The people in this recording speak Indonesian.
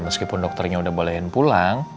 meskipun dokternya udah boleh pulang